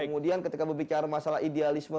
kemudian ketika berbicara masalah idealisme